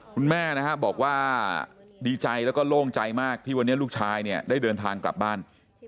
คุณแม่นะฮะบอกว่าดีใจแล้วก็โล่งใจมากที่วันนี้ลูกชายเนี่ยได้เดินทางกลับบ้าน